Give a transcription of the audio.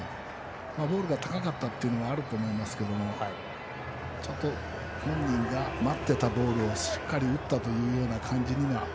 ボールが高かったというのもあると思いますけど本人が待っていたボールをしっかり打ったという感じには。